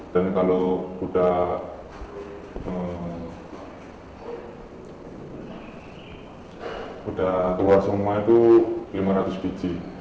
dan kalau sudah keluar semua itu lima ratus biji